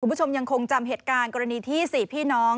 คุณผู้ชมยังคงจำเหตุการณ์กรณีที่๔พี่น้อง